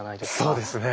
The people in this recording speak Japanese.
そうですね。